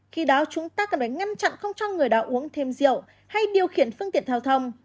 khi đó chúng ta cần phải ngăn chặn không cho người đã uống thêm rượu hay điều khiển phương tiện giao thông